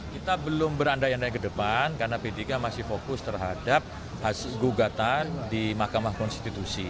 kita belum berandai andai ke depan karena p tiga masih fokus terhadap gugatan di mahkamah konstitusi